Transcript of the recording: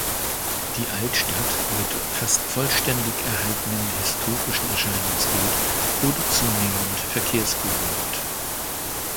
Die Altstadt mit fast vollständig erhaltenem historischen Erscheinungsbild wurde zunehmend verkehrsberuhigt.